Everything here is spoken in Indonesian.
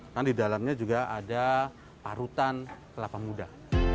dan di dalamnya juga ada parutan kelapa muda